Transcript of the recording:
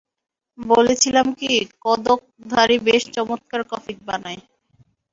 বলছিলাম কি, কদক ধারি বেশ চমৎকার কফি বানায়।